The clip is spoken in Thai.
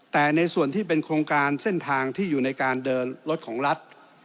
แต่ในส่วนที่เป็นโครงการเส้นทางที่อยู่ในการเดินรถของรัฐ